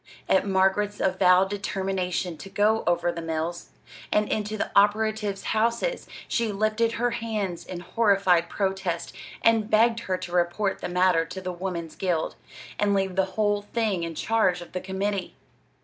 At Margaret's avowed determination to go over the mills, and into the operatives' houses, she lifted her hands in horrified protest, and begged her to report the matter to the Woman's Guild, and leave the whole thing in charge of the committee.